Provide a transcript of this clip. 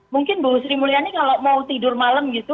mungkin bu sri mulyani kalau mau tidur malam gitu